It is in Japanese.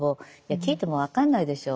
聞いても分かんないでしょう。